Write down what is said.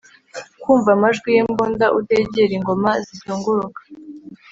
kumva amajwi yimbunda utegera ingoma zizunguruka